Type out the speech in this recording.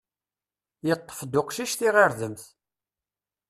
Yeṭṭef-d uqcic tiɣirdemt.